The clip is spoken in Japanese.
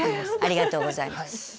ありがとうございます。